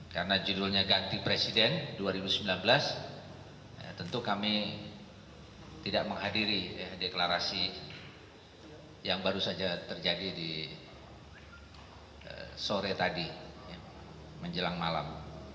karena judulnya ganti presiden dua ribu sembilan belas tentu kami tidak menghadiri deklarasi yang baru saja terjadi di sore tadi menjelang malam